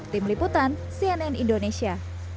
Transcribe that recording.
tim liputan cnn indonesia